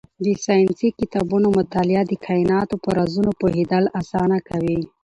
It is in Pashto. د ساینسي کتابونو مطالعه د کایناتو په رازونو پوهېدل اسانه کوي.